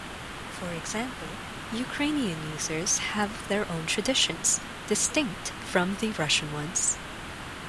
For example, Ukrainian users have their own traditions, distinct from the Russian ones.